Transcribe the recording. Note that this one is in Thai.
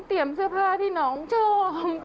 เตรียมเสื้อผ้าที่น้องชอบ